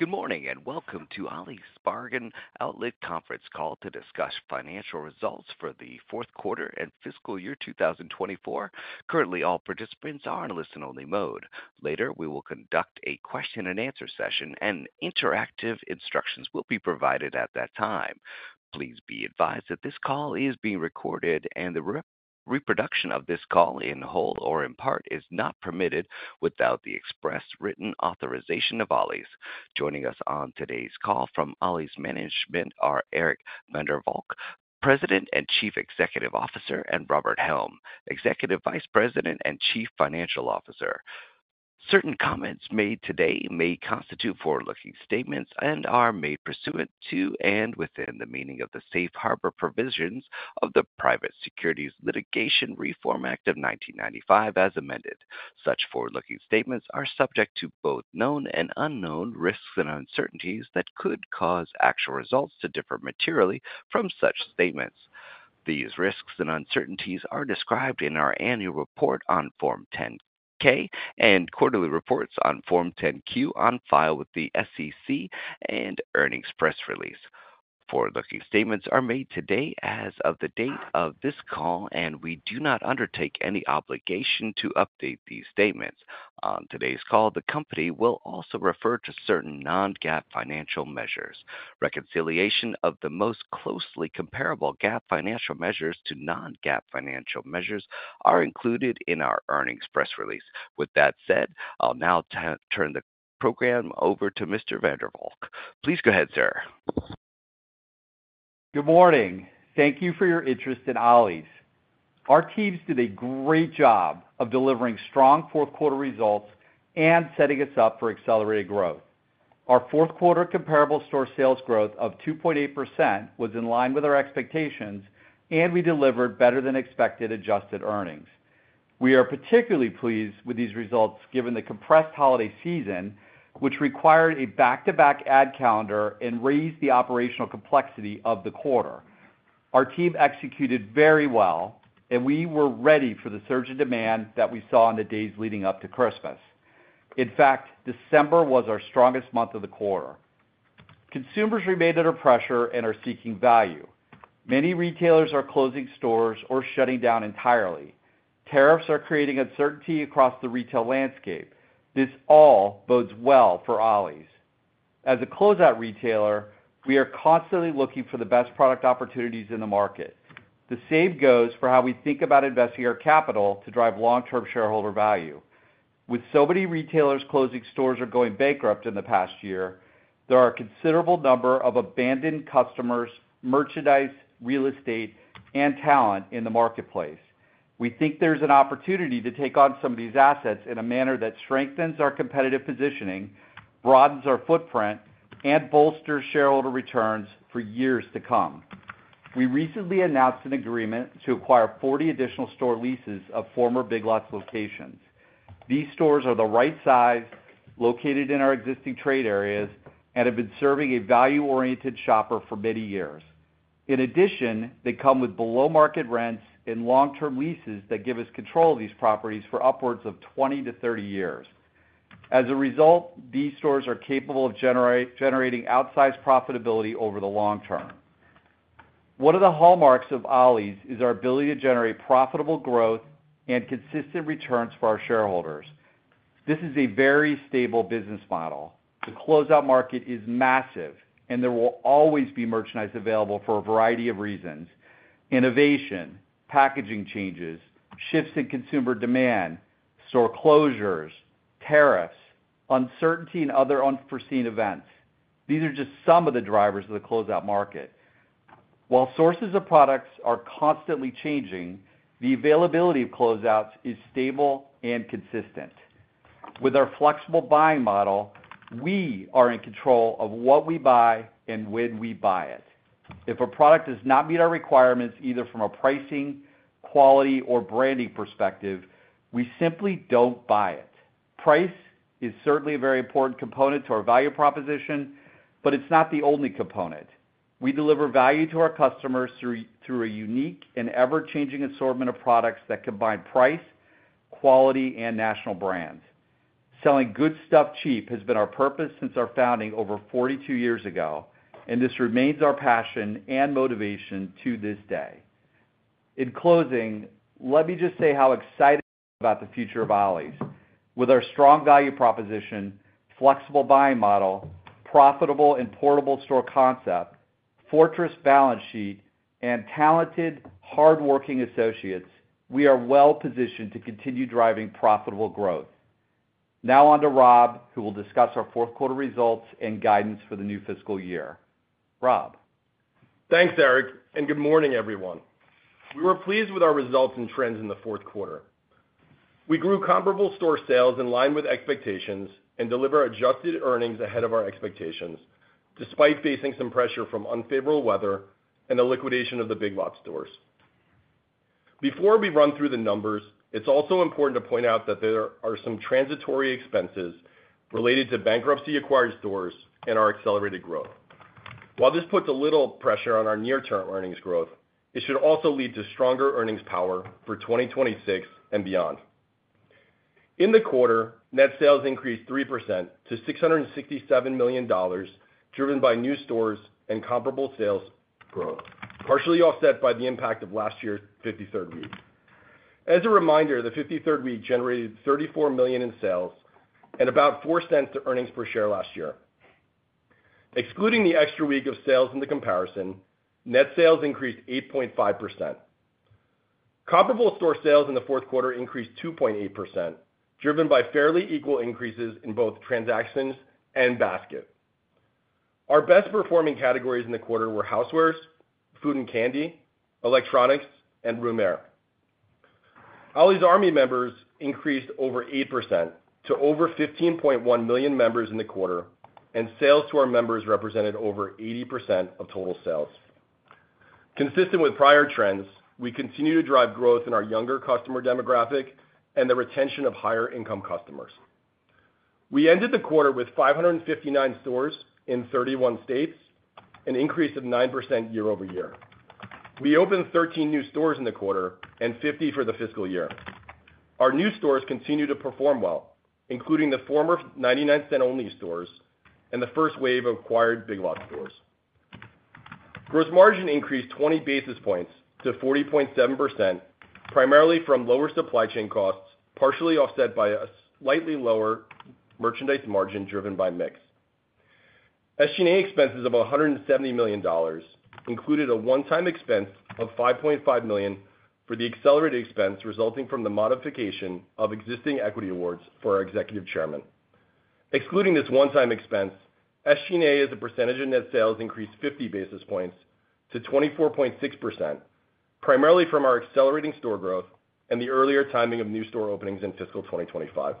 Good morning and welcome to Ollie's Bargain Outlet conference call to discuss financial results for the fourth quarter and fiscal year 2024. Currently, all participants are in listen-only mode. Later, we will conduct a question-and-answer session, and interactive instructions will be provided at that time. Please be advised that this call is being recorded, and the reproduction of this call in whole or in part is not permitted without the express written authorization of Ollie's. Joining us on today's call from Ollie's management are Eric van der Valk, President and Chief Executive Officer, and Robert Helm, Executive Vice President and Chief Financial Officer. Certain comments made today may constitute forward-looking statements and are made pursuant to and within the meaning of the Safe Harbor provisions of the Private Securities Litigation Reform Act of 1995, as amended. Such forward-looking statements are subject to both known and unknown risks and uncertainties that could cause actual results to differ materially from such statements. These risks and uncertainties are described in our annual report on Form 10-K and quarterly reports on Form 10-Q on file with the SEC and earnings press release. Forward-looking statements are made today as of the date of this call, and we do not undertake any obligation to update these statements. On today's call, the company will also refer to certain non-GAAP financial measures. Reconciliation of the most closely comparable GAAP financial measures to non-GAAP financial measures are included in our earnings press release. With that said, I'll now turn the program over to Mr. van der Valk. Please go ahead, sir. Good morning. Thank you for your interest in Ollie's. Our teams did a great job of delivering strong fourth-quarter results and setting us up for accelerated growth. Our fourth-quarter comparable store sales growth of 2.8% was in line with our expectations, and we delivered better-than-expected adjusted earnings. We are particularly pleased with these results given the compressed holiday season, which required a back-to-back ad calendar and raised the operational complexity of the quarter. Our team executed very well, and we were ready for the surge in demand that we saw in the days leading up to Christmas. In fact, December was our strongest month of the quarter. Consumers remain under pressure and are seeking value. Many retailers are closing stores or shutting down entirely. Tariffs are creating uncertainty across the retail landscape. This all bodes well for Ollie's. As a closeout retailer, we are constantly looking for the best product opportunities in the market. The same goes for how we think about investing our capital to drive long-term shareholder value. With so many retailers closing stores or going bankrupt in the past year, there are a considerable number of abandoned customers, merchandise, real estate, and talent in the marketplace. We think there's an opportunity to take on some of these assets in a manner that strengthens our competitive positioning, broadens our footprint, and bolsters shareholder returns for years to come. We recently announced an agreement to acquire 40 additional store leases of former Big Lots locations. These stores are the right size, located in our existing trade areas, and have been serving a value-oriented shopper for many years. In addition, they come with below-market rents and long-term leases that give us control of these properties for upwards of 20 to 30 years. As a result, these stores are capable of generating outsized profitability over the long term. One of the hallmarks of Ollie's is our ability to generate profitable growth and consistent returns for our shareholders. This is a very stable business model. The closeout market is massive, and there will always be merchandise available for a variety of reasons: innovation, packaging changes, shifts in consumer demand, store closures, tariffs, uncertainty, and other unforeseen events. These are just some of the drivers of the closeout market. While sources of products are constantly changing, the availability of closeouts is stable and consistent. With our flexible buying model, we are in control of what we buy and when we buy it. If a product does not meet our requirements, either from a pricing, quality, or branding perspective, we simply don't buy it. Price is certainly a very important component to our value proposition, but it's not the only component. We deliver value to our customers through a unique and ever-changing assortment of products that combine price, quality, and national brands. Selling good stuff cheap has been our purpose since our founding over 42 years ago, and this remains our passion and motivation to this day. In closing, let me just say how excited we are about the future of Ollie's. With our strong value proposition, flexible buying model, profitable and portable store concept, fortress balance sheet, and talented, hardworking associates, we are well-positioned to continue driving profitable growth. Now on to Rob, who will discuss our fourth-quarter results and guidance for the new fiscal year. Rob. Thanks, Eric, and good morning, everyone. We were pleased with our results and trends in the fourth quarter. We grew comparable store sales in line with expectations and delivered adjusted earnings ahead of our expectations, despite facing some pressure from unfavorable weather and the liquidation of the Big Lots stores. Before we run through the numbers, it's also important to point out that there are some transitory expenses related to bankruptcy-acquired stores and our accelerated growth. While this puts a little pressure on our near-term earnings growth, it should also lead to stronger earnings power for 2026 and beyond. In the quarter, net sales increased 3% to $667 million, driven by new stores and comparable sales growth, partially offset by the impact of last year's 53rd week. As a reminder, the 53rd week generated $34 million in sales and about $0.04 to earnings per share last year. Excluding the extra week of sales in the comparison, net sales increased 8.5%. Comparable store sales in the fourth quarter increased 2.8%, driven by fairly equal increases in both transactions and basket. Our best-performing categories in the quarter were housewares, food and candy, electronics, and room air. Ollie's Army members increased over 8% to over 15.1 million members in the quarter, and sales to our members represented over 80% of total sales. Consistent with prior trends, we continue to drive growth in our younger customer demographic and the retention of higher-income customers. We ended the quarter with 559 stores in 31 states, an increase of 9% year-over-year. We opened 13 new stores in the quarter and 50 for the fiscal year. Our new stores continue to perform well, including the former 99 Cents Only Stores and the first wave of acquired Big Lots stores. Gross margin increased 20 basis points to 40.7%, primarily from lower supply chain costs, partially offset by a slightly lower merchandise margin driven by mix. SG&A expenses of $170 million included a one-time expense of $5.5 million for the accelerated expense resulting from the modification of existing equity awards for our Executive Chairman. Excluding this one-time expense, SG&A as a percentage of net sales increased 50 basis points to 24.6%, primarily from our accelerating store growth and the earlier timing of new store openings in fiscal 2025.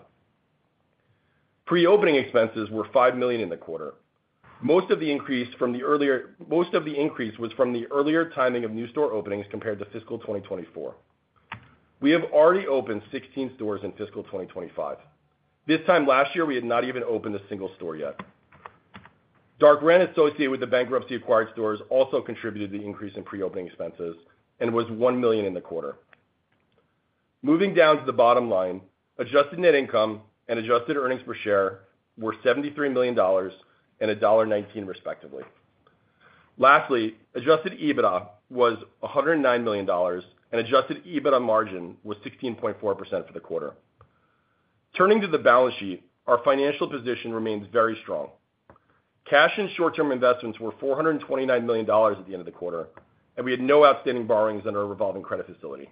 Pre-opening expenses were $5 million in the quarter. Most of the increase was from the earlier timing of new store openings compared to fiscal 2024. We have already opened 16 stores in fiscal 2025. This time last year, we had not even opened a single store yet. Dark rent associated with the bankruptcy-acquired stores also contributed to the increase in pre-opening expenses and was $1 million in the quarter. Moving down to the bottom line, adjusted net income and adjusted earnings per share were $73 million and $1.19, respectively. Lastly, adjusted EBITDA was $109 million, and adjusted EBITDA margin was 16.4% for the quarter. Turning to the balance sheet, our financial position remains very strong. Cash and short-term investments were $429 million at the end of the quarter, and we had no outstanding borrowings under our revolving credit facility.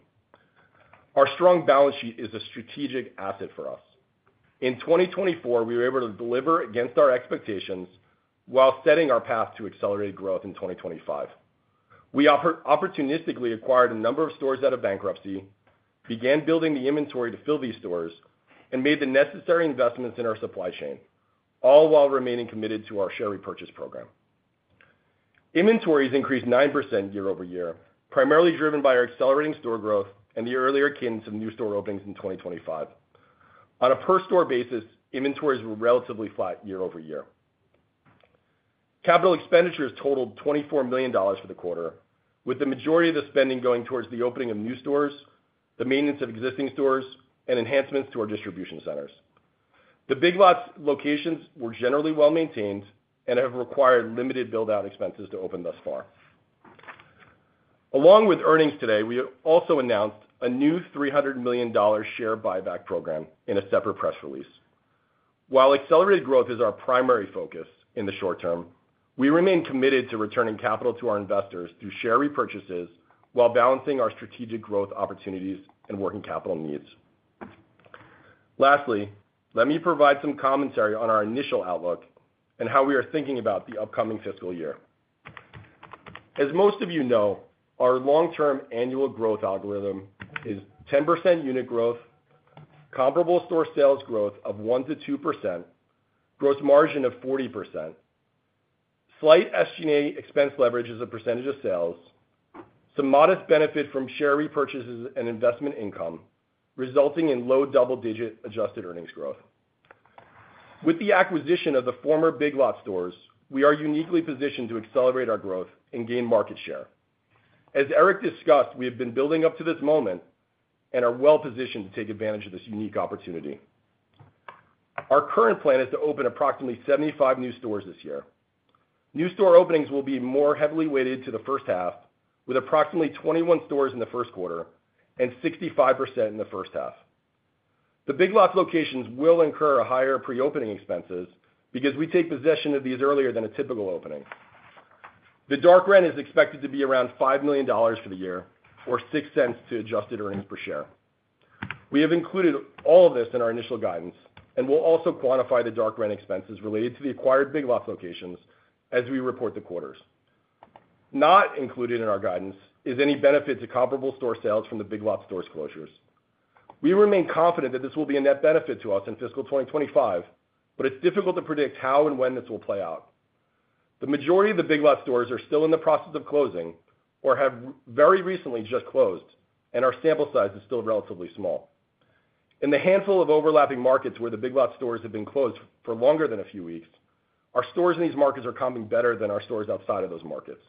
Our strong balance sheet is a strategic asset for us. In 2024, we were able to deliver against our expectations while setting our path to accelerated growth in 2025. We opportunistically acquired a number of stores out of bankruptcy, began building the inventory to fill these stores, and made the necessary investments in our supply chain, all while remaining committed to our share repurchase program. Inventories increased 9% year-over-year, primarily driven by our accelerating store growth and the earlier cadence of new store openings in 2025. On a per-store basis, inventories were relatively flat year-over-year. Capital expenditures totaled $24 million for the quarter, with the majority of the spending going towards the opening of new stores, the maintenance of existing stores, and enhancements to our distribution centers. The Big Lots locations were generally well-maintained and have required limited build-out expenses to open thus far. Along with earnings today, we also announced a new $300 million share buyback program in a separate press release. While accelerated growth is our primary focus in the short term, we remain committed to returning capital to our investors through share repurchases while balancing our strategic growth opportunities and working capital needs. Lastly, let me provide some commentary on our initial outlook and how we are thinking about the upcoming fiscal year. As most of you know, our long-term annual growth algorithm is 10% unit growth, comparable store sales growth of 1%-2%, gross margin of 40%, slight SG&A expense leverage as a percentage of sales, some modest benefit from share repurchases and investment income, resulting in low double-digit adjusted earnings growth. With the acquisition of the former Big Lots stores, we are uniquely positioned to accelerate our growth and gain market share. As Eric discussed, we have been building up to this moment and are well-positioned to take advantage of this unique opportunity. Our current plan is to open approximately 75 new stores this year. New store openings will be more heavily weighted to the first half, with approximately 21 stores in the first quarter and 65% in the first half. The Big Lots locations will incur higher pre-opening expenses because we take possession of these earlier than a typical opening. The dark rent is expected to be around $5 million for the year, or $0.06 to adjusted earnings per share. We have included all of this in our initial guidance and will also quantify the dark rent expenses related to the acquired Big Lots locations as we report the quarters. Not included in our guidance is any benefit to comparable store sales from the Big Lots stores closures. We remain confident that this will be a net benefit to us in fiscal 2025, but it's difficult to predict how and when this will play out. The majority of the Big Lots stores are still in the process of closing or have very recently just closed, and our sample size is still relatively small. In the handful of overlapping markets where the Big Lots stores have been closed for longer than a few weeks, our stores in these markets are coming better than our stores outside of those markets.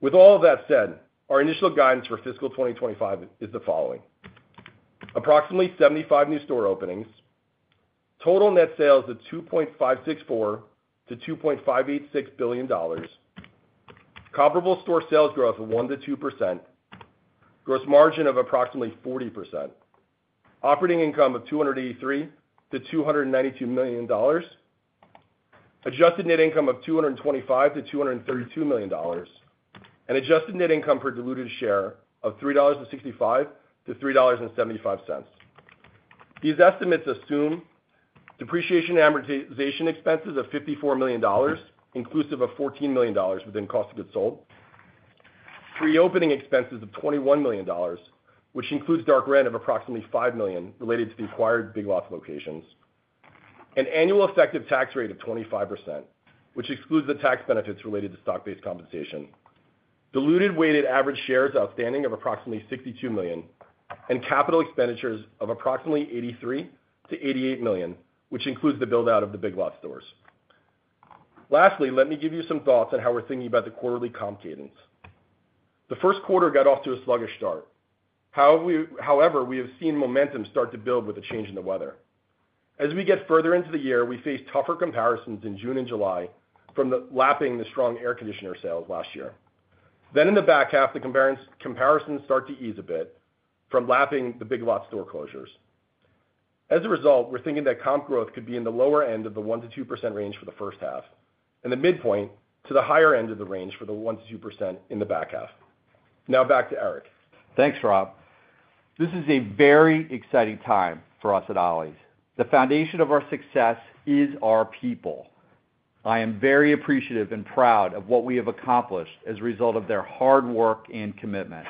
With all of that said, our initial guidance for fiscal 2025 is the following: approximately 75 new store openings, total net sales of $2.564-$2.586 billion, comparable store sales growth of 1%-2%, gross margin of approximately 40%, operating income of $283 million-$292 million, adjusted net income of $225 million-$232 million, and adjusted net income per diluted share of $3.65-$3.75. These estimates assume depreciation amortization expenses of $54 million, inclusive of $14 million within cost of goods sold, pre-opening expenses of $21 million, which includes dark rent of approximately $5 million related to the acquired Big Lots locations, an annual effective tax rate of 25%, which excludes the tax benefits related to stock-based compensation, diluted weighted average shares outstanding of approximately 62 million, and capital expenditures of approximately $83 million-$88 million, which includes the build-out of the Big Lots stores. Lastly, let me give you some thoughts on how we're thinking about the quarterly comp cadence. The first quarter got off to a sluggish start. However, we have seen momentum start to build with a change in the weather. As we get further into the year, we face tougher comparisons in June and July from lapping the strong air conditioner sales last year. In the back half, the comparisons start to ease a bit from lapping the Big Lots store closures. As a result, we're thinking that comp growth could be in the lower end of the 1%-2% range for the first half and the midpoint to the higher end of the range for the 1%-2% in the back half. Now back to Eric. Thanks, Rob. This is a very exciting time for us at Ollie's. The foundation of our success is our people. I am very appreciative and proud of what we have accomplished as a result of their hard work and commitment.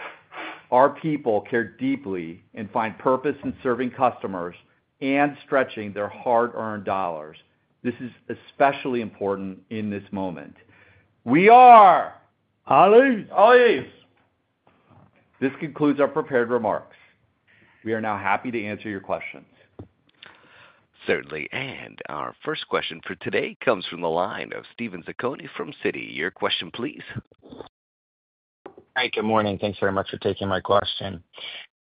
Our people care deeply and find purpose in serving customers and stretching their hard-earned dollars. This is especially important in this moment. We are. Ollie's This concludes our prepared remarks. We are now happy to answer your questions. Certainly. Our first question for today comes from the line of Steven Zaccone from Citi. Your question, please. Hi. Good morning. Thanks very much for taking my question.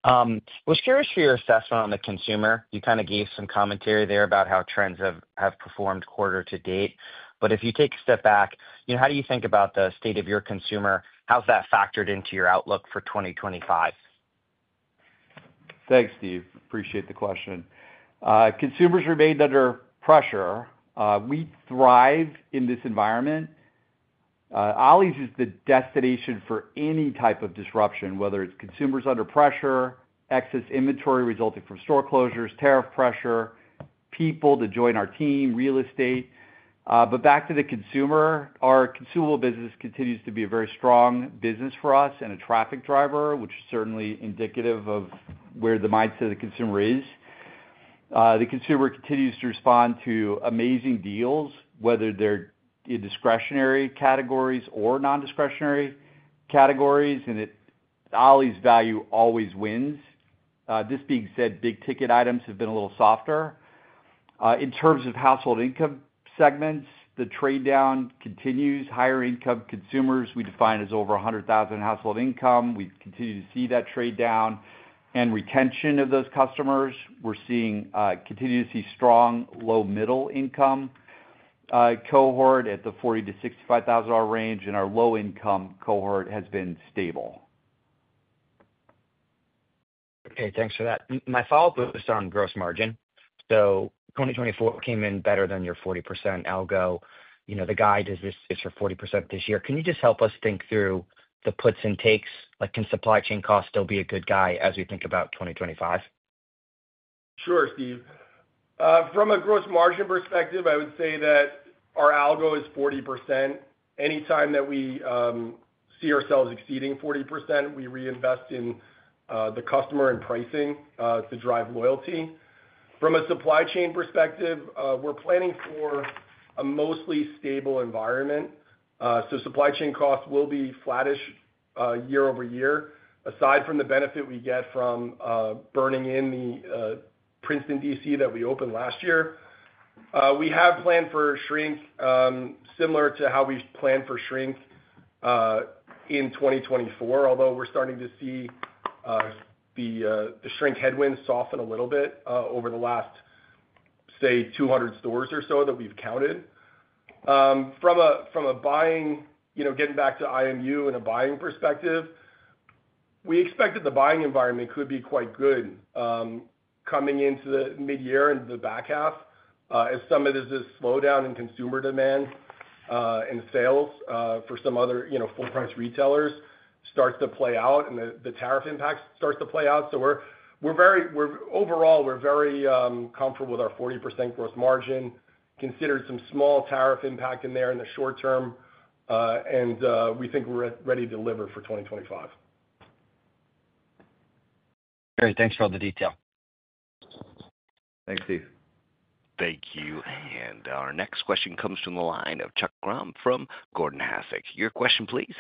I was curious for your assessment on the consumer. You kind of gave some commentary there about how trends have performed quarter to date. If you take a step back, how do you think about the state of your consumer? How's that factored into your outlook for 2025? Thanks, Steve. Appreciate the question. Consumers remain under pressure. We thrive in this environment. Ollie's is the destination for any type of disruption, whether it's consumers under pressure, excess inventory resulting from store closures, tariff pressure, people to join our team, real estate. Back to the consumer, our consumable business continues to be a very strong business for us and a traffic driver, which is certainly indicative of where the mindset of the consumer is. The consumer continues to respond to amazing deals, whether they're in discretionary categories or non-discretionary categories, and Ollie's value always wins. This being said, big ticket items have been a little softer. In terms of household income segments, the trade-down continues. Higher income consumers, we define as over $100,000 household income. We continue to see that trade-down and retention of those customers. We're continuing to see strong low-middle income cohort at the $40,000-$65,000 range, and our low-income cohort has been stable. Okay. Thanks for that. My follow-up was on gross margin. 2024 came in better than your 40% algo. The guide is this for 40% this year. Can you just help us think through the puts and takes? Can supply chain costs still be a good guy as we think about 2025? Sure, Steve. From a gross margin perspective, I would say that our algo is 40%. Anytime that we see ourselves exceeding 40%, we reinvest in the customer and pricing to drive loyalty. From a supply chain perspective, we're planning for a mostly stable environment. Supply chain costs will be flattish year over year. Aside from the benefit we get from burning in the Princeton DC, that we opened last year, we have planned for shrink similar to how we planned for shrink in 2024, although we're starting to see the shrink headwinds soften a little bit over the last, say, 200 stores or so that we've counted. From a buying, getting back to IMU and a buying perspective, we expected the buying environment could be quite good coming into the mid-year and the back half as some of this is slowed down in consumer demand and sales for some other full-price retailers starts to play out and the tariff impact starts to play out. Overall, we're very comfortable with our 40% gross margin, considered some small tariff impact in there in the short term, and we think we're ready to deliver for 2025. Great. Thanks for all the detail. Thanks, Steve. Thank you. Our next question comes from the line of Charles Grom from Gordon Haskett. Your question, please.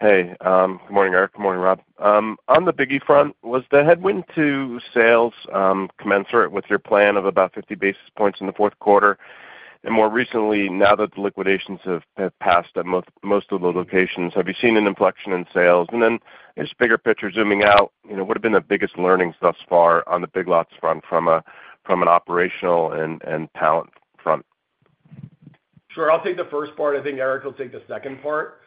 Hey. Good morning, Eric. Good morning, Rob. On the Big Lots front, was the headwind to sales commensurate with your plan of about 50 basis points in the fourth quarter? More recently, now that the liquidations have passed at most of the locations, have you seen an inflection in sales? Just bigger picture, zooming out, what have been the biggest learnings thus far on the Big Lots front from an operational and talent front? Sure. I'll take the first part. I think Eric will take the second part.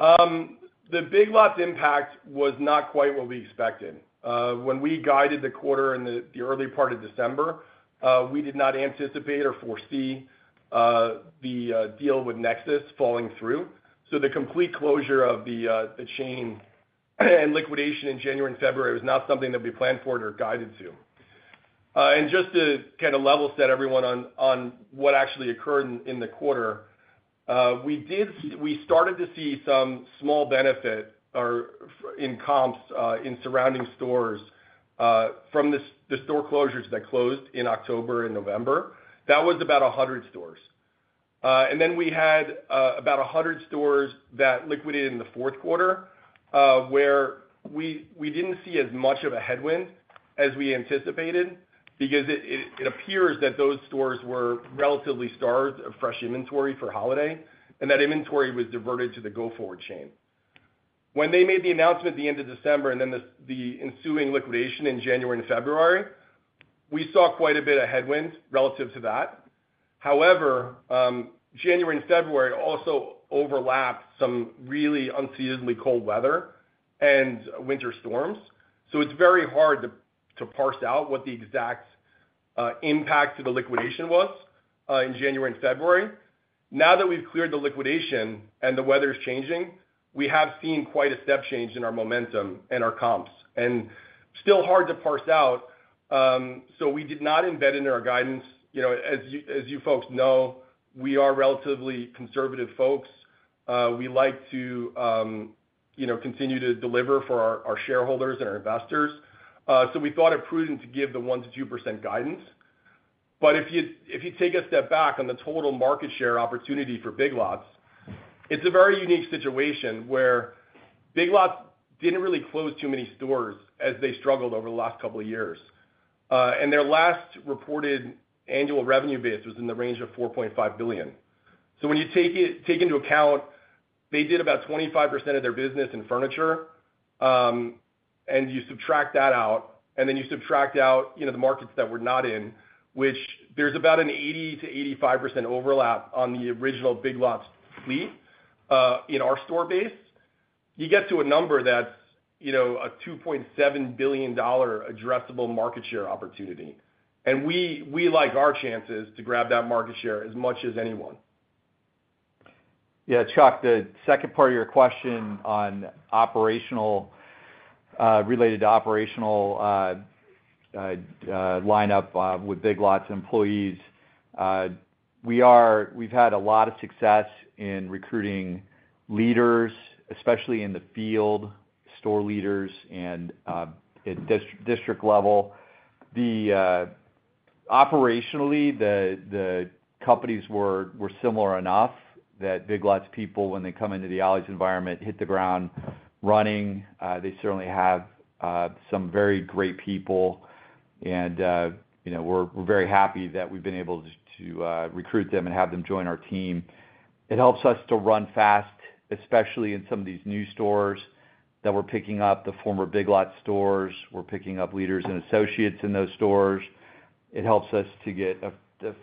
The Big Lots impact was not quite what we expected. When we guided the quarter in the early part of December, we did not anticipate or foresee the deal with Nexus falling through. The complete closure of the chain and liquidation in January and February was not something that we planned for or guided to. Just to kind of level set everyone on what actually occurred in the quarter, we started to see some small benefit in comps in surrounding stores from the store closures that closed in October and November. That was about 100 stores. We had about 100 stores that liquidated in the fourth quarter where we did not see as much of a headwind as we anticipated because it appears that those stores were relatively starved of fresh inventory for holiday, and that inventory was diverted to the go-forward chain. When they made the announcement at the end of December and then the ensuing liquidation in January and February, we saw quite a bit of headwind relative to that. However, January and February also overlapped some really unseasonably cold weather and winter storms. It is very hard to parse out what the exact impact to the liquidation was in January and February. Now that we have cleared the liquidation and the weather is changing, we have seen quite a step change in our momentum and our comps and still hard to parse out. We did not embed into our guidance. As you folks know, we are relatively conservative folks. We like to continue to deliver for our shareholders and our investors. We thought it prudent to give the 1%-2% guidance. If you take a step back on the total market share opportunity for Big Lots, it's a very unique situation where Big Lots didn't really close too many stores as they struggled over the last couple of years. Their last reported annual revenue base was in the range of $4.5 billion. When you take into account they did about 25% of their business in furniture, and you subtract that out, and then you subtract out the markets that we're not in, which there's about an 80%-85% overlap on the original Big Lots fleet in our store base, you get to a number that's a $2.7 billion addressable market share opportunity. We like our chances to grab that market share as much as anyone. Yeah. Chuck, the second part of your question related to operational lineup with Big Lots employees, we've had a lot of success in recruiting leaders, especially in the field, store leaders, and at district level. Operationally, the companies were similar enough that Big Lots people, when they come into the Ollie's environment, hit the ground running. They certainly have some very great people, and we're very happy that we've been able to recruit them and have them join our team. It helps us to run fast, especially in some of these new stores that we're picking up, the former Big Lots stores. We're picking up leaders and associates in those stores. It helps us to get a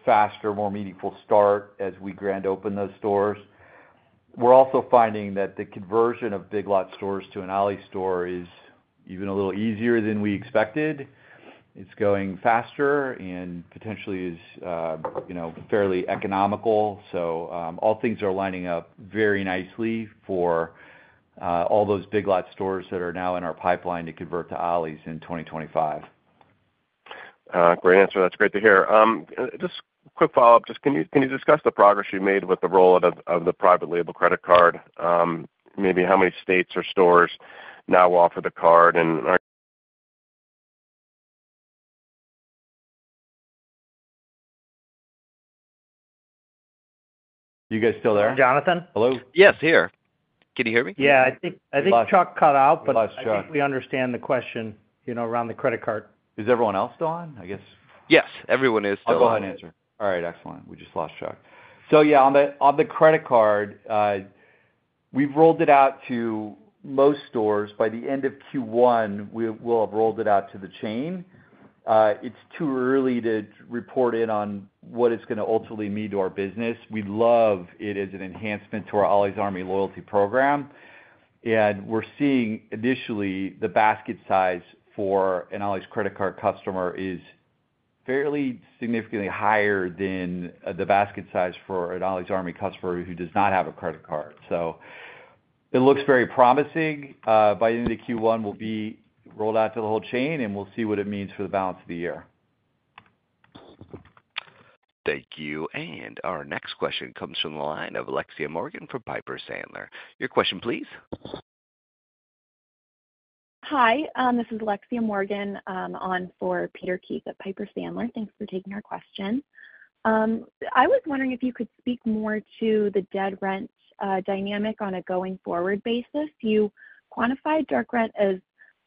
faster, more meaningful start as we grand open those stores. We're also finding that the conversion of Big Lots stores to an Ollie's store is even a little easier than we expected. It's going faster and potentially is fairly economical. All things are lining up very nicely for all those Big Lots stores that are now in our pipeline to convert to Ollie's in 2025. Great answer. That's great to hear. Just quick follow-up. Just can you discuss the progress you made with the roll-out of the private label credit card? Maybe how many states or stores now will offer the card. You guys still there? Jonathan? Hello? Yes, here. Can you hear me? Yeah. I think Chuck cut out, but I think we understand the question around the credit card. Is everyone else still on? I guess. Yes, everyone is still on. I'll go ahead and answer. All right. Excellent. We just lost Chuck. On the credit card, we've rolled it out to most stores. By the end of Q1, we'll have rolled it out to the chain. It's too early to report in on what it's going to ultimately mean to our business. We'd love it as an enhancement to our Ollie's Army loyalty program. We're seeing initially the basket size for an Ollie's credit card customer is fairly significantly higher than the basket size for an Ollie's Army customer who does not have a credit card. It looks very promising. By the end of Q1, we'll be rolled out to the whole chain, and we'll see what it means for the balance of the year. Thank you. Our next question comes from the line of Alexia Morgan from Piper Sandler. Your question, please. Hi. This is Alexia Morgan on for Peter Keith at Piper Sandler. Thanks for taking our question. I was wondering if you could speak more to the dark rent dynamic on a going-forward basis. You quantified dark rent as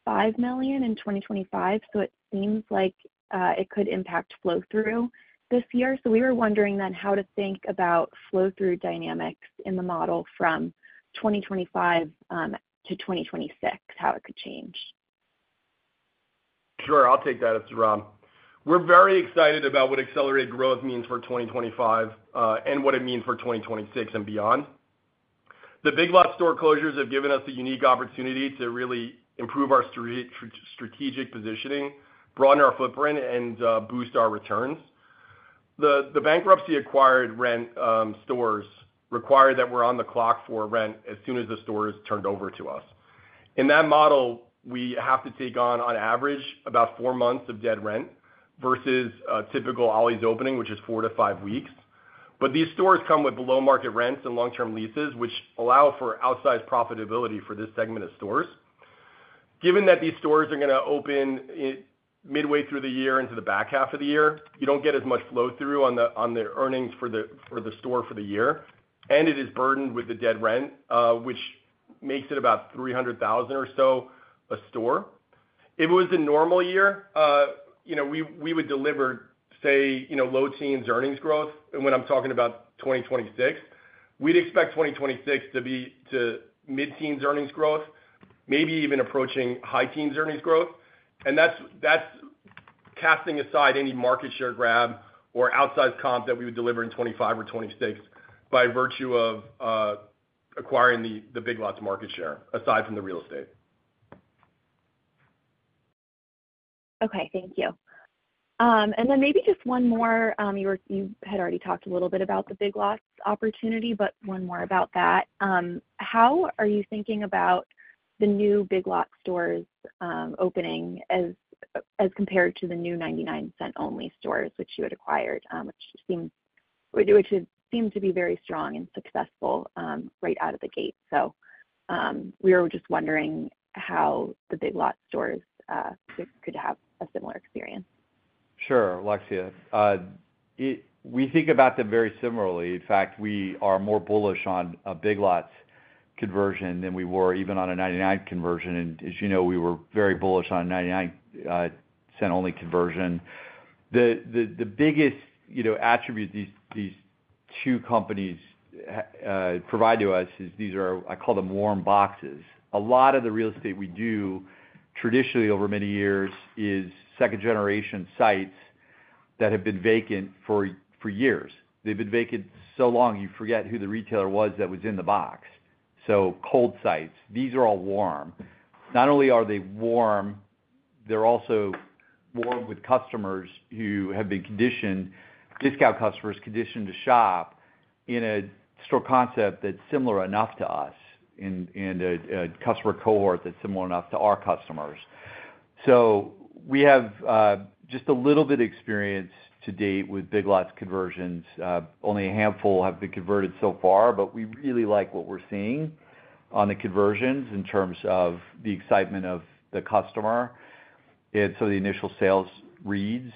$5 million in 2025, so it seems like it could impact flow-through this year. We were wondering then how to think about flow-through dynamics in the model from 2025 to 2026, how it could change. Sure. I'll take that. It's Rob. We're very excited about what accelerated growth means for 2025 and what it means for 2026 and beyond. The Big Lots store closures have given us a unique opportunity to really improve our strategic positioning, broaden our footprint, and boost our returns. The bankruptcy-acquired rent stores require that we're on the clock for rent as soon as the store is turned over to us. In that model, we have to take on, on average, about four months of dead rent versus typical Ollie's opening, which is four to five weeks. These stores come with below-market rents and long-term leases, which allow for outsized profitability for this segment of stores. Given that these stores are going to open midway through the year into the back half of the year, you do not get as much flow-through on the earnings for the store for the year, and it is burdened with the dead rent, which makes it about $300,000 or so a store. If it was a normal year, we would deliver, say, low teens earnings growth. When I am talking about 2026, we would expect 2026 to be mid-teens earnings growth, maybe even approaching high teens earnings growth. That is casting aside any market share grab or outsized comp that we would deliver in 2025 or 2026 by virtue of acquiring the Big Lots market share, aside from the real estate. Okay. Thank you. Maybe just one more. You had already talked a little bit about the Big Lots opportunity, but one more about that. How are you thinking about the new Big Lots stores opening as compared to the new 99 Cents Only Stores, which you had acquired, which seemed to be very strong and successful right out of the gate? We were just wondering how the Big Lots stores could have a similar experience. Sure, Alexia. We think about them very similarly. In fact, we are more bullish on a Big Lots conversion than we were even on a 99 conversion. And as you know, we were very bullish on a 99 Cents Only Stores conversion. The biggest attribute these two companies provide to us is these are—I call them warm boxes. A lot of the real estate we do traditionally over many years is second-generation sites that have been vacant for years. They've been vacant so long you forget who the retailer was that was in the box. So cold sites. These are all warm. Not only are they warm, they're also warm with customers who have been conditioned—discount customers conditioned to shop—in a store concept that's similar enough to us and a customer cohort that's similar enough to our customers. So we have just a little bit of experience to date with Big Lots conversions. Only a handful have been converted so far, but we really like what we're seeing on the conversions in terms of the excitement of the customer and some of the initial sales reads.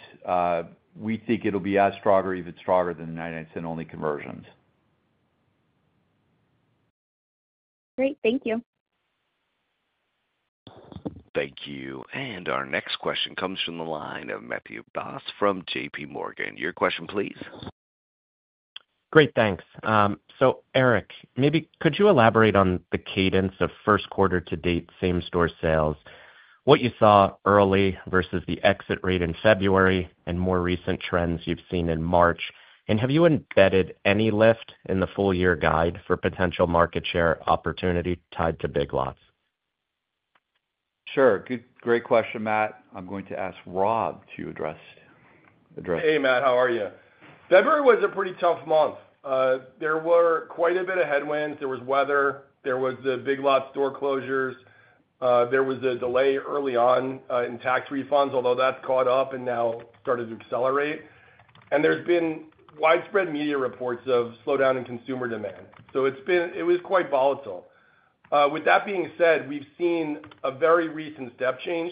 We think it'll be as strong or even stronger than the 99 Cents Only conversions. Great. Thank you. Thank you. Our next question comes from the line of Matthew Boss from JPMorgan. Your question, please. Great. Thanks. Eric, maybe could you elaborate on the cadence of first quarter-to-date same-store sales, what you saw early versus the exit rate in February, and more recent trends you've seen in March? Have you embedded any lift in the full-year guide for potential market share opportunity tied to Big Lots? Sure. Great question, Matt. I'm going to ask Rob to address. Hey, Matt. How are you? February was a pretty tough month. There were quite a bit of headwinds. There was weather. There were the Big Lots store closures. There was a delay early on in tax refunds, although that's caught up and now started to accelerate. There have been widespread media reports of slowdown in consumer demand. It was quite volatile. With that being said, we've seen a very recent step change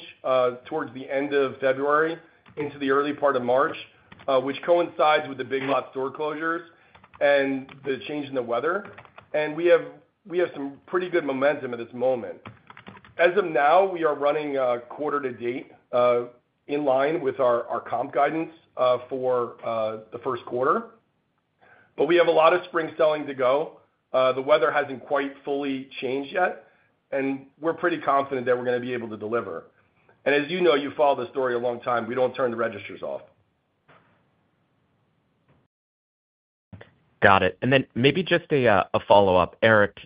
towards the end of February into the early part of March, which coincides with the Big Lots store closures and the change in the weather. We have some pretty good momentum at this moment. As of now, we are running quarter-to-date in line with our comp guidance for the first quarter. We have a lot of spring selling to go. The weather has not quite fully changed yet, and we are pretty confident that we are going to be able to deliver. As you know, you have followed the story a long time. We do not turn the registers off. Got it. Maybe just a follow-up. Eric,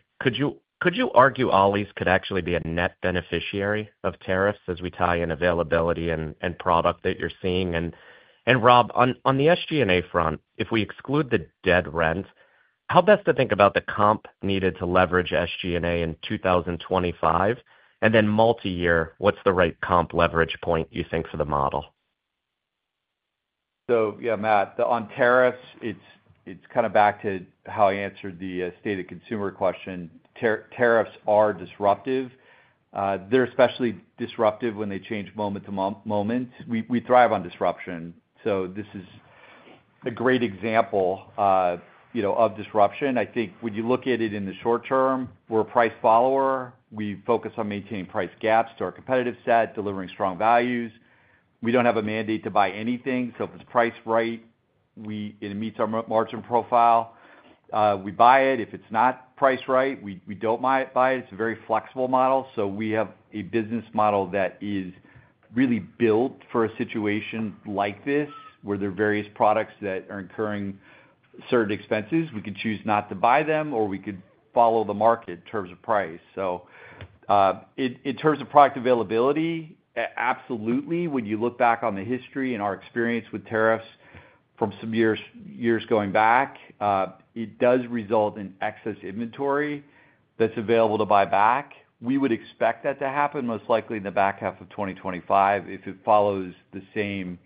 could you argue Ollie's could actually be a net beneficiary of tariffs as we tie in availability and product that you're seeing? Rob, on the SG&A front, if we exclude the dark rent, how best to think about the comp needed to leverage SG&A in 2025? Multi-year, what's the right comp leverage point you think for the model? Yeah, Matt. On tariffs, it's kind of back to how I answered the state of consumer question. Tariffs are disruptive. They're especially disruptive when they change moment to moment. We thrive on disruption. This is a great example of disruption. I think when you look at it in the short term, we're a price follower. We focus on maintaining price gaps to our competitive set, delivering strong values. We don't have a mandate to buy anything. If it's priced right, it meets our margin profile. We buy it. If it's not priced right, we don't buy it. It's a very flexible model. We have a business model that is really built for a situation like this where there are various products that are incurring certain expenses. We could choose not to buy them, or we could follow the market in terms of price. In terms of product availability, absolutely. When you look back on the history and our experience with tariffs from some years going back, it does result in excess inventory that's available to buy back. We would expect that to happen most likely in the back half of 2025 if it follows the same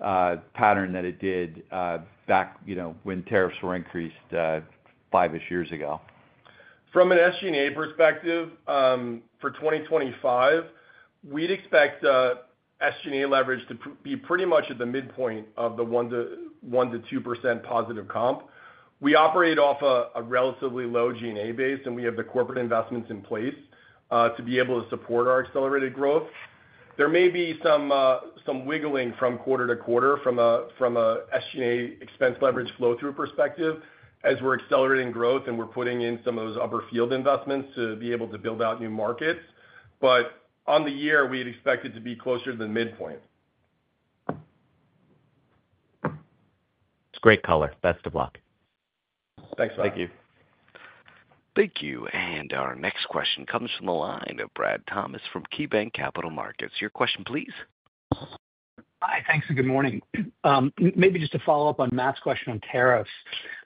pattern that it did back when tariffs were increased five-ish years ago. From an SG&A perspective for 2025, we'd expect SG&A leverage to be pretty much at the midpoint of the 1%-2% positive comp. We operate off a relatively low G&A base, and we have the corporate investments in place to be able to support our accelerated growth. There may be some wiggling from quarter to quarter from an SG&A expense leverage flow-through perspective as we're accelerating growth and we're putting in some of those upper field investments to be able to build out new markets. On the year, we'd expect it to be closer to the midpoint. It's great color. Best of luck. Thanks, Matt. Thank you. Thank you. Our next question comes from the line of Brad Thomas from KeyBanc Capital Markets. Your question, please. Hi. Thanks. Good morning. Maybe just to follow up on Matt's question on tariffs,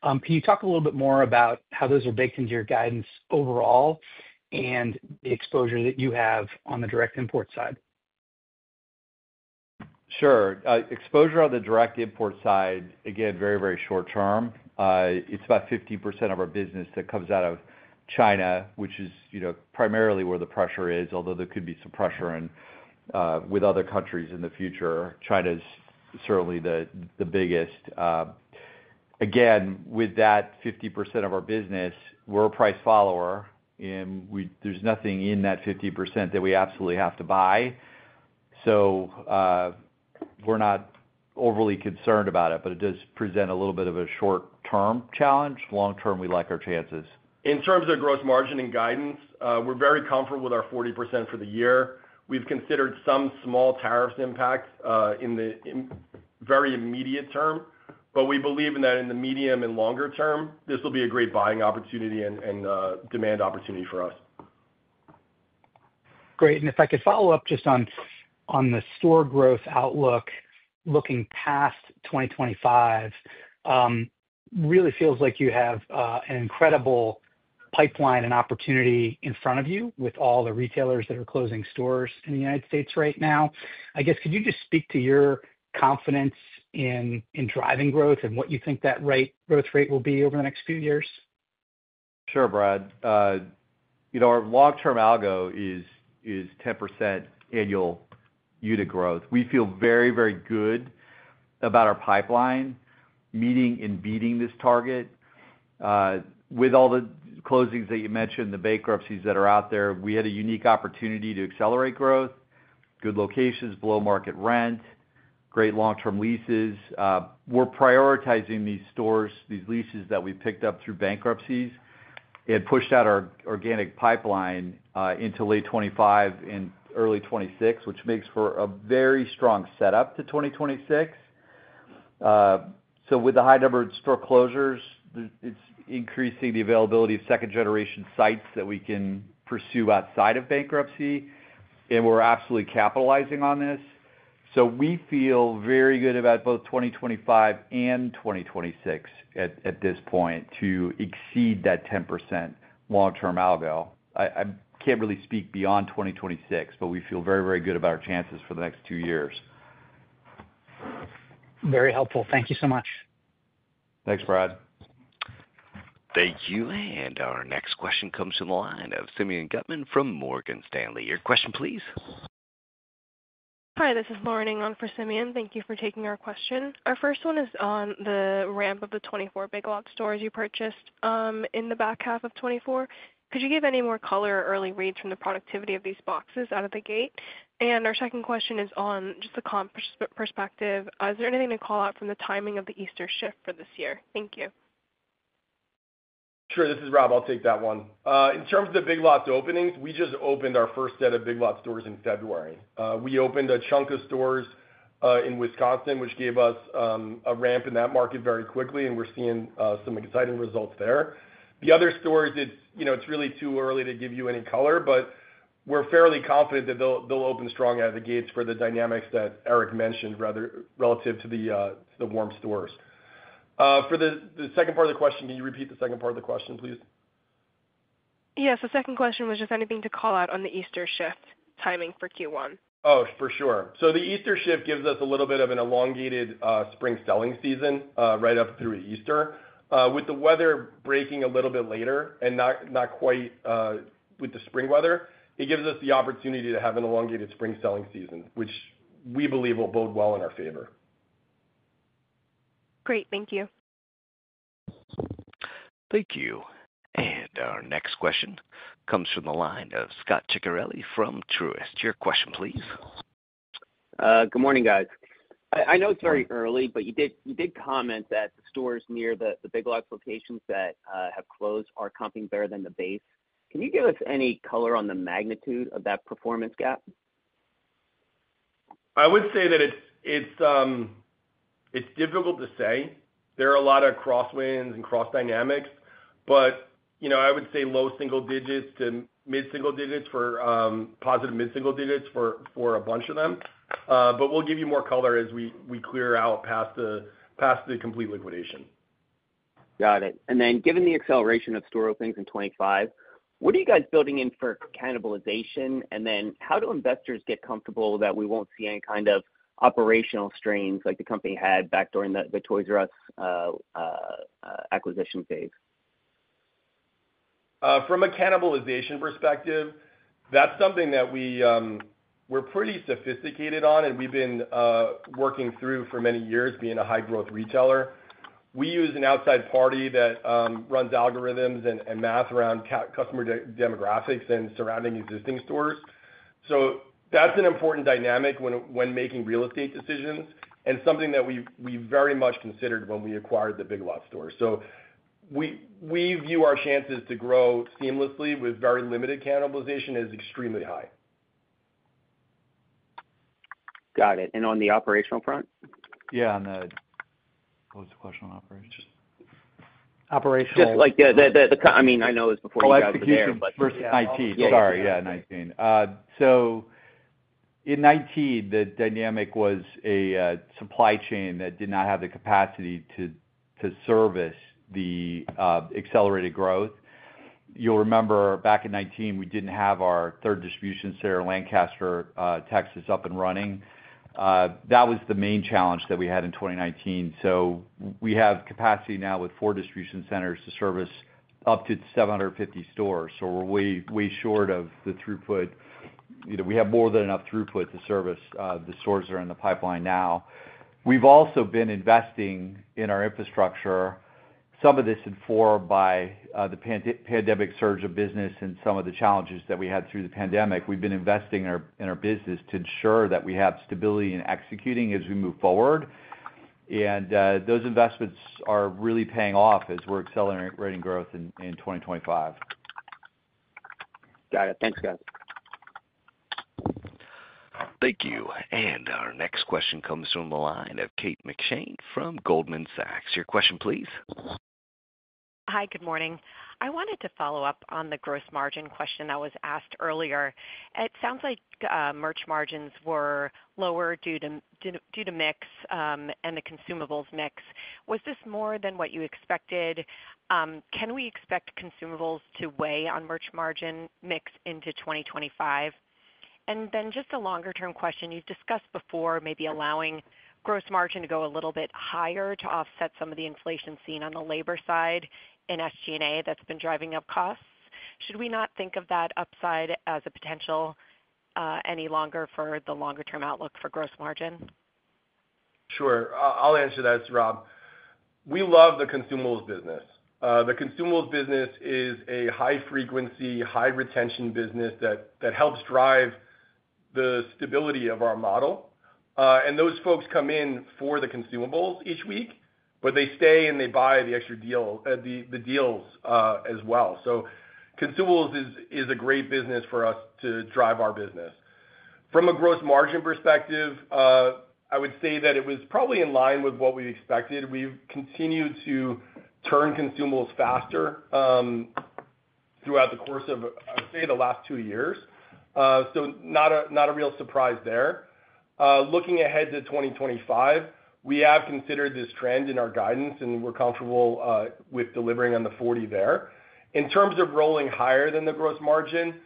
can you talk a little bit more about how those are baked into your guidance overall and the exposure that you have on the direct import side? Sure. Exposure on the direct import side, again, very, very short term. It's about 50% of our business that comes out of China, which is primarily where the pressure is, although there could be some pressure with other countries in the future. China is certainly the biggest. Again, with that 50% of our business, we're a price follower, and there's nothing in that 50% that we absolutely have to buy. So we're not overly concerned about it, but it does present a little bit of a short-term challenge. Long-term, we like our chances. In terms of gross margin and guidance, we're very comfortable with our 40% for the year. We've considered some small tariffs impact in the very immediate term, but we believe that in the medium and longer term, this will be a great buying opportunity and demand opportunity for us. Great. If I could follow up just on the store growth outlook looking past 2025, it really feels like you have an incredible pipeline and opportunity in front of you with all the retailers that are closing stores in the United States right now. I guess, could you just speak to your confidence in driving growth and what you think that growth rate will be over the next few years? Sure, Brad. Our long-term algo is 10% annual unit growth. We feel very, very good about our pipeline meeting and beating this target. With all the closings that you mentioned, the bankruptcies that are out there, we had a unique opportunity to accelerate growth. Good locations, below-market rent, great long-term leases. We are prioritizing these stores, these leases that we picked up through bankruptcies. It pushed out our organic pipeline into late 2025 and early 2026, which makes for a very strong setup to 2026. With the high number of store closures, it is increasing the availability of second-generation sites that we can pursue outside of bankruptcy. We are absolutely capitalizing on this. We feel very good about both 2025 and 2026 at this point to exceed that 10% long-term algo. I can't really speak beyond 2026, but we feel very, very good about our chances for the next two years. Very helpful. Thank you so much. Thanks, Brad. Thank you. Our next question comes from the line of Simeon Gutman from Morgan Stanley. Your question, please. Hi. This is Lauren Ng on for Simeon. Thank you for taking our question. Our first one is on the ramp of the 24 Big Lots stores you purchased in the back half of 2024. Could you give any more color or early reads from the productivity of these boxes out of the gate? Our second question is on just the comp perspective. Is there anything to call out from the timing of the Easter shift for this year? Thank you. Sure. This is Rob. I'll take that one. In terms of the Big Lots openings, we just opened our first set of Big Lots stores in February. We opened a chunk of stores in Wisconsin, which gave us a ramp in that market very quickly, and we're seeing some exciting results there. The other stores, it's really too early to give you any color, but we're fairly confident that they'll open strong out of the gates for the dynamics that Eric mentioned relative to the warm stores. For the second part of the question, can you repeat the second part of the question, please? Yes. The second question was just anything to call out on the Easter shift timing for Q1. Oh, for sure. The Easter shift gives us a little bit of an elongated spring selling season right up through Easter. With the weather breaking a little bit later and not quite with the spring weather, it gives us the opportunity to have an elongated spring selling season, which we believe will bode well in our favor. Great. Thank you. Thank you. Our next question comes from the line of Scot Ciccarelli from Truist. Your question, please. Good morning, guys. I know it's very early, but you did comment that the stores near the Big Lots locations that have closed are comping better than the base. Can you give us any color on the magnitude of that performance gap? I would say that it's difficult to say. There are a lot of crosswinds and cross dynamics, but I would say low single digits to mid-single digits for positive mid-single digits for a bunch of them. We will give you more color as we clear out past the complete liquidation. Got it. Given the acceleration of store openings in 2025, what are you guys building in for cannibalization? How do investors get comfortable that we won't see any kind of operational strains like the company had back during the Toys "R" Us acquisition phase? From a cannibalization perspective, that's something that we're pretty sophisticated on, and we've been working through for many years being a high-growth retailer. We use an outside party that runs algorithms and math around customer demographics and surrounding existing stores. That's an important dynamic when making real estate decisions and something that we very much considered when we acquired the Big Lots stores. We view our chances to grow seamlessly with very limited cannibalization as extremely high. Got it. On the operational front? Yeah. What was the question on operation? Operational. Just like the—I mean, I know it was before you guys began. Oh, execution. Versus IT. Sorry. Yeah, 2019. In 2019, the dynamic was a supply chain that did not have the capacity to service the accelerated growth. You'll remember back in 2019, we didn't have our third distribution center, Lancaster, Texas, up and running. That was the main challenge that we had in 2019. We have capacity now with four distribution centers to service up to 750 stores. We're way short of the throughput. We have more than enough throughput to service the stores that are in the pipeline now. We've also been investing in our infrastructure, some of this informed by the pandemic surge of business and some of the challenges that we had through the pandemic. We've been investing in our business to ensure that we have stability in executing as we move forward. Those investments are really paying off as we're accelerating growth in 2025. Got it. Thanks, guys. Thank you. Our next question comes from the line of Kate McShane from Goldman Sachs. Your question, please. Hi. Good morning. I wanted to follow up on the gross margin question that was asked earlier. It sounds like merch margins were lower due to mix and the consumables mix. Was this more than what you expected? Can we expect consumables to weigh on merch margin mix into 2025? Just a longer-term question. You've discussed before maybe allowing gross margin to go a little bit higher to offset some of the inflation seen on the labor side in SG&A that's been driving up costs. Should we not think of that upside as a potential any longer for the longer-term outlook for gross margin? Sure. I'll answer that. It's Rob. We love the consumables business. The consumables business is a high-frequency, high-retention business that helps drive the stability of our model. Those folks come in for the consumables each week, but they stay and they buy the deals as well. Consumables is a great business for us to drive our business. From a gross margin perspective, I would say that it was probably in line with what we expected. We've continued to turn consumables faster throughout the course of, I would say, the last two years. Not a real surprise there. Looking ahead to 2025, we have considered this trend in our guidance, and we're comfortable with delivering on the 40% there. In terms of rolling higher than the gross margin,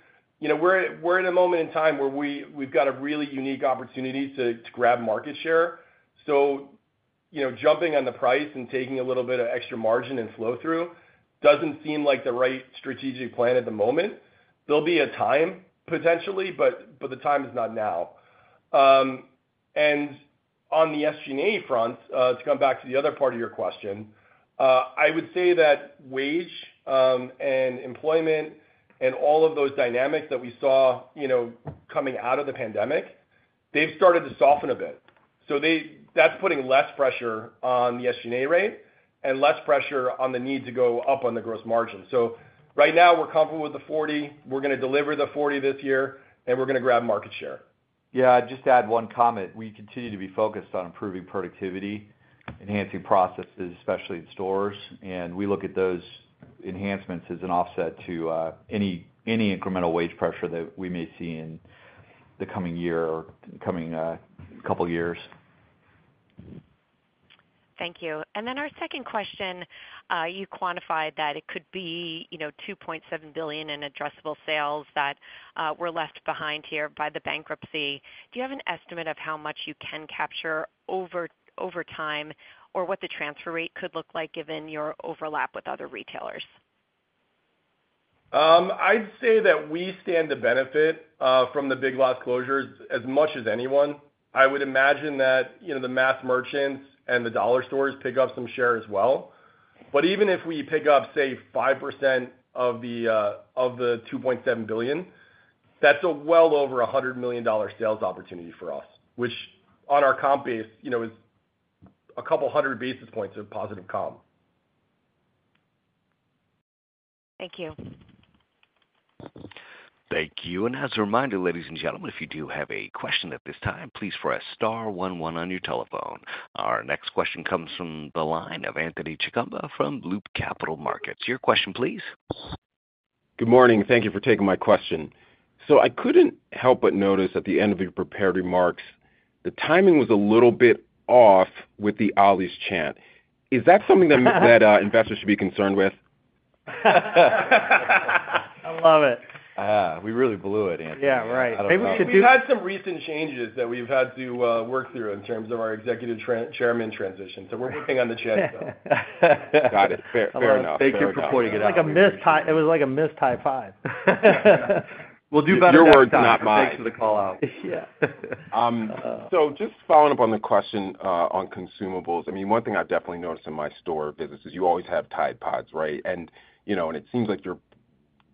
we're in a moment in time where we've got a really unique opportunity to grab market share. Jumping on the price and taking a little bit of extra margin and flow-through does not seem like the right strategic plan at the moment. There will be a time potentially, but the time is not now. On the SG&A front, to come back to the other part of your question, I would say that wage and employment and all of those dynamics that we saw coming out of the pandemic, they have started to soften a bit. That is putting less pressure on the SG&A rate and less pressure on the need to go up on the gross margin. Right now, we are comfortable with the 40%. We are going to deliver the 40% this year, and we are going to grab market share. Yeah. Just to add one comment. We continue to be focused on improving productivity, enhancing processes, especially in stores. We look at those enhancements as an offset to any incremental wage pressure that we may see in the coming year or coming couple of years. Thank you. Then our second question, you quantified that it could be $2.7 billion in addressable sales that were left behind here by the bankruptcy. Do you have an estimate of how much you can capture over time or what the transfer rate could look like given your overlap with other retailers? I'd say that we stand to benefit from the Big Lots closures as much as anyone. I would imagine that the mass merchants and the dollar stores pick up some share as well. Even if we pick up, say, 5% of the $2.7 billion, that's a well over $100 million sales opportunity for us, which on our comp base is a couple hundred basis points of positive comp. Thank you. Thank you. As a reminder, ladies and gentlemen, if you do have a question at this time, please press star 11 on your telephone. Our next question comes from the line of Anthony Chukumba from Loop Capital Markets. Your question, please. Good morning. Thank you for taking my question. I couldn't help but notice at the end of your prepared remarks, the timing was a little bit off with the Ollie's chant. Is that something that investors should be concerned with? I love it. We really blew it, Anthony. Yeah, right. We've had some recent changes that we've had to work through in terms of our Executive Chairman transition. We're working on the chant, though. Got it. Fair enough. Thank you for pointing it out. It was like a missed high five. We'll do better than that. Your words, not mine. Thanks for the callout. Yeah. Just following up on the question on consumables, I mean, one thing I've definitely noticed in my store business is you always have Tide Pods, right? It seems like you're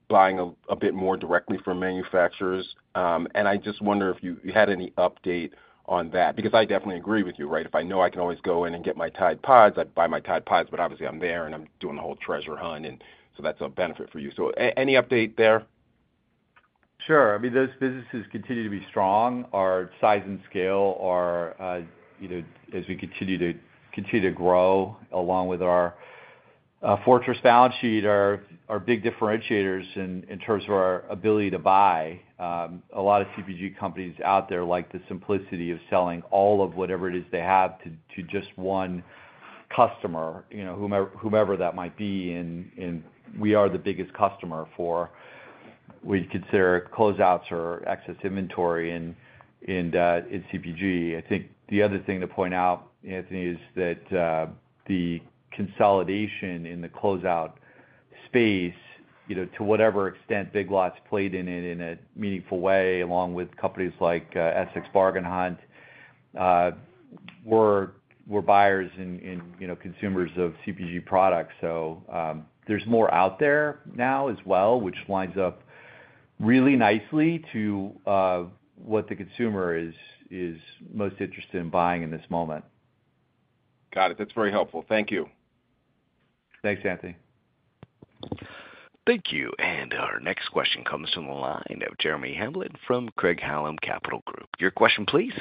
buying a bit more directly from manufacturers. I just wonder if you had any update on that? I definitely agree with you, right? If I know I can always go in and get my Tide Pods, I'd buy my Tide Pods, but obviously, I'm there and I'm doing the whole treasure hunt. That's a benefit for you. Any update there? Sure. I mean, those businesses continue to be strong. Our size and scale are, as we continue to grow along with our fortress balance sheet, our big differentiators in terms of our ability to buy. A lot of CPG companies out there like the simplicity of selling all of whatever it is they have to just one customer, whomever that might be. We are the biggest customer for what you consider closeouts or excess inventory in CPG. I think the other thing to point out, Anthony, is that the consolidation in the closeout space, to whatever extent Big Lots played in it in a meaningful way, along with companies like Essex, Bargain Hunt, we are buyers and consumers of CPG products. There is more out there now as well, which lines up really nicely to what the consumer is most interested in buying in this moment. Got it. That's very helpful. Thank you. Thanks, Anthony. Thank you. Our next question comes from the line of Jeremy Hamblin from Craig-Hallum Capital Group. Your question, please.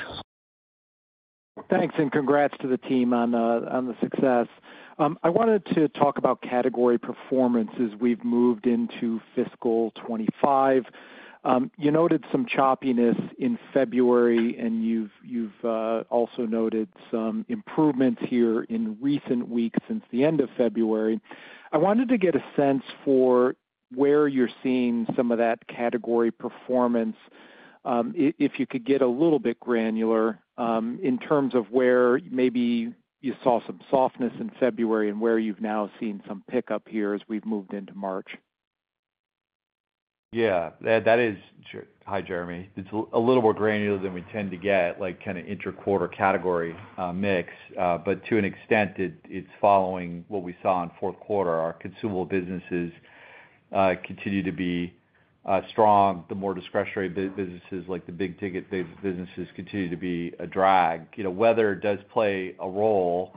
Thanks. Congrats to the team on the success. I wanted to talk about category performance as we've moved into fiscal 2025. You noted some choppiness in February, and you've also noted some improvements here in recent weeks since the end of February. I wanted to get a sense for where you're seeing some of that category performance, if you could get a little bit granular in terms of where maybe you saw some softness in February and where you've now seen some pickup here as we've moved into March. Yeah. Hi, Jeremy. It's a little more granular than we tend to get, like kind of intra-quarter category mix. To an extent, it's following what we saw in fourth quarter. Our consumable businesses continue to be strong. The more discretionary businesses, like the big-ticket businesses, continue to be a drag. Weather does play a role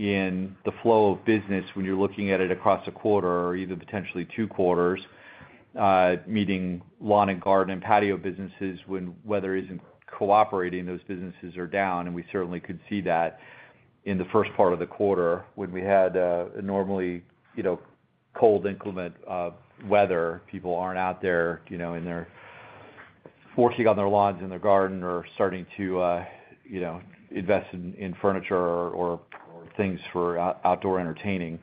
in the flow of business when you're looking at it across a quarter or even potentially two quarters, meaning lawn and garden and patio businesses when weather isn't cooperating. Those businesses are down, and we certainly could see that in the first part of the quarter when we had abnormally cold, inclement weather. People aren't out there and they're working on their lawns and their garden or starting to invest in furniture or things for outdoor entertaining.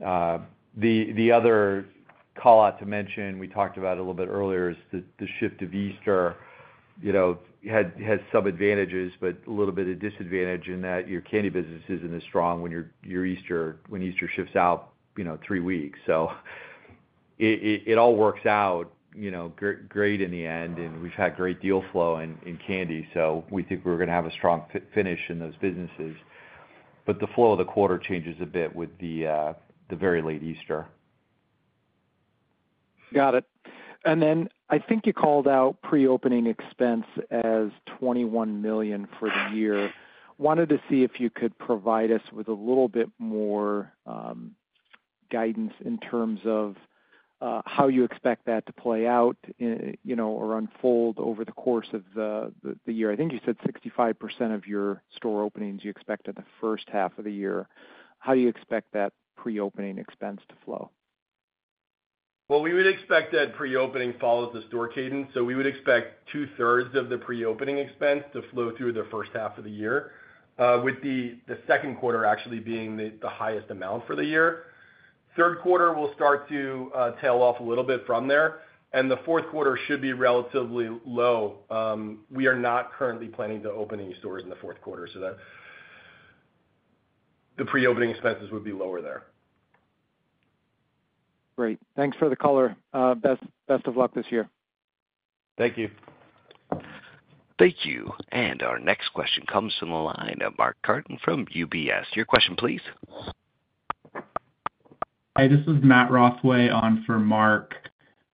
The other callout to mention we talked about a little bit earlier is the shift of Easter has some advantages, but a little bit of disadvantage in that your candy business isn't as strong when Easter shifts out three weeks. It all works out great in the end, and we've had great deal flow in candy. We think we're going to have a strong finish in those businesses. The flow of the quarter changes a bit with the very late Easter. Got it. I think you called out pre-opening expense as $21 million for the year. Wanted to see if you could provide us with a little bit more guidance in terms of how you expect that to play out or unfold over the course of the year. I think you said 65% of your store openings you expect in the first half of the year. How do you expect that pre-opening expense to flow? We would expect that pre-opening follows the store cadence. We would expect 2/3 of the pre-opening expense to flow through the first half of the year, with the second quarter actually being the highest amount for the year. Third quarter will start to tail off a little bit from there. The fourth quarter should be relatively low. We are not currently planning to open any stores in the fourth quarter. The pre-opening expenses would be lower there. Great. Thanks for the color. Best of luck this year. Thank you. Thank you. Our next question comes from the line of Mark Carden from UBS. Your question, please. Hi. This is Matt Rothway on for Mark.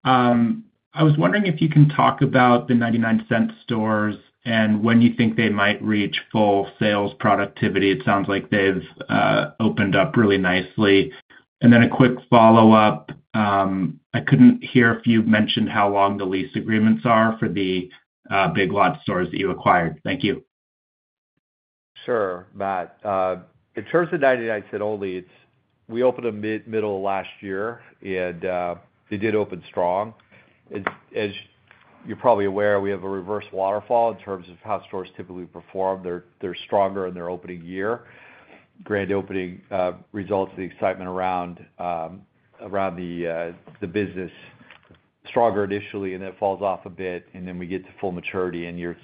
I was wondering if you can talk about the 99 Cents Only Stores and when you think they might reach full sales productivity. It sounds like they've opened up really nicely. I have a quick follow-up. I couldn't hear if you mentioned how long the lease agreements are for the Big Lots stores that you acquired. Thank you. Sure, Matt. In terms of 99 Cents Only Stores, we opened them mid-middle of last year, and they did open strong. As you're probably aware, we have a reverse waterfall in terms of how stores typically perform. They're stronger in their opening year. Grand opening results in the excitement around the business. Stronger initially, and then it falls off a bit, and then we get to full maturity in years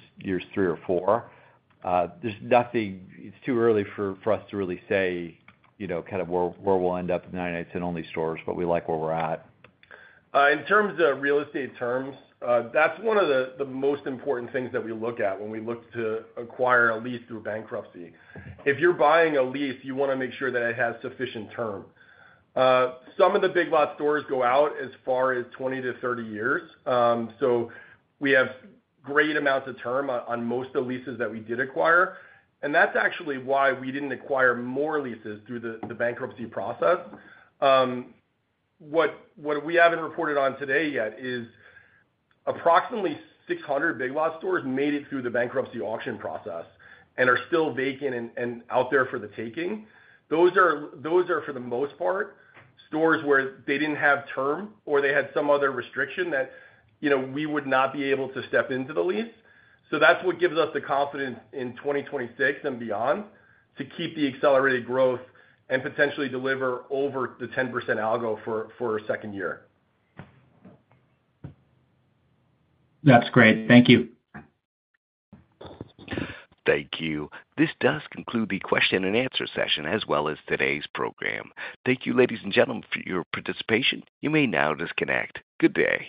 three or four. There's nothing—it's too early for us to really say kind of where we'll end up in 99 Cents Only Stores, but we like where we're at. In terms of real estate terms, that's one of the most important things that we look at when we look to acquire a lease through bankruptcy. If you're buying a lease, you want to make sure that it has sufficient term. Some of the Big Lots stores go out as far as 20-30 years. We have great amounts of term on most of the leases that we did acquire. That's actually why we didn't acquire more leases through the bankruptcy process. What we haven't reported on today yet is approximately 600 Big Lots stores made it through the bankruptcy auction process and are still vacant and out there for the taking. Those are, for the most part, stores where they didn't have term or they had some other restriction that we would not be able to step into the lease. That's what gives us the confidence in 2026 and beyond to keep the accelerated growth and potentially deliver over the 10% algo for a second year. That's great. Thank you. Thank you. This does conclude the question-and-answer session as well as today's program. Thank you, ladies and gentlemen, for your participation. You may now disconnect. Good day.